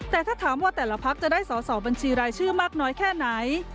แต่ถ้าถามว่าแต่ละพักจะได้สอสอบัญชีรายชื่อมากน้อยแค่ไหน